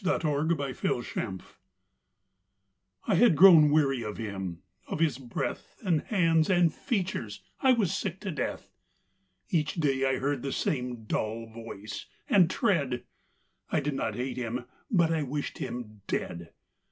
THOU SHALT NOT KILL I had grown weary of him; of his breath And hands and features I was sick to death. Each day I heard the same dull voice and tread; I did not hate him: but I wished him dead.